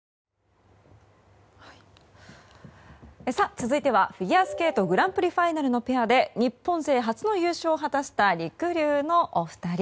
続いてはフィギュアスケートグランプリファイナルのペアで日本勢初の優勝を果たしたりくりゅうのお二人。